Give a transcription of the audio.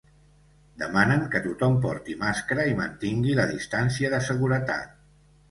Demanen que tothom porti màscara i mantingui la distància de seguretat.